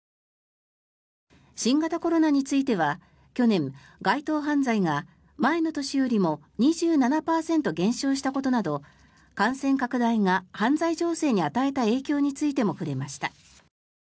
新型コロナについては去年、街頭犯罪が前の年よりも２７％減少したことなど感染拡大が犯罪情勢に与えた影響についても触れました。